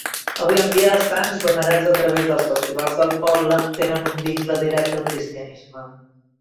Avui en dia, els Sants, venerats a través dels festivals del poble, tenen un vincle directe al cristianisme.